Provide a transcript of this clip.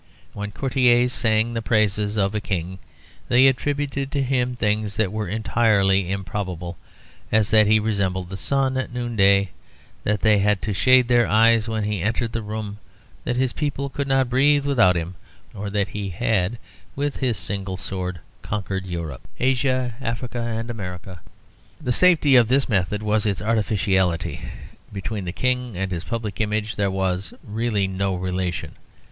When courtiers sang the praises of a King they attributed to him things that were entirely improbable, as that he resembled the sun at noonday, that they had to shade their eyes when he entered the room, that his people could not breathe without him, or that he had with his single sword conquered Europe, Asia, Africa, and America. The safety of this method was its artificiality; between the King and his public image there was really no relation.